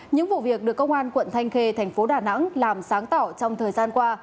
những vụ việc được công an quận thanh khê tp đà nẵng làm sáng tỏa trong thời gian qua